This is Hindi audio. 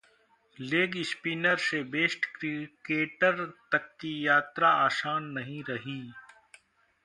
‘लेग स्पिनर से बेस्ट क्रिकेटर तक की यात्रा आसान नहीं रही’